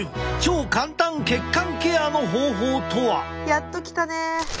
やっと来たね。